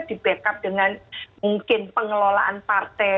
di backup dengan mungkin pengelolaan partai